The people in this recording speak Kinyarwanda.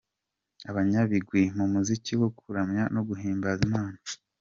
abanyabigwi mu muziki wo kuramya no guhimbaza Imana.